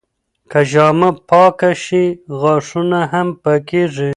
که ژامه پاکه شي، غاښونه هم پاکېږي.